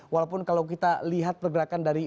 walaupun kalau kita lihat pergerakan dari